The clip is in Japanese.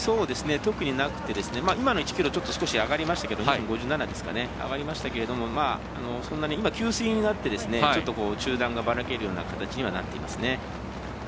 特になくて今の１ｋｍ少し上がりましたけど２分５７ですかね少し上がりましたが今、給水になって中断がバラける感じにはなっていますね。